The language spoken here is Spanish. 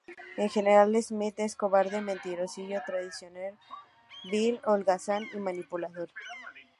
En general, Smith es cobarde, mentiroso, traicionero, vil, holgazán y manipulador.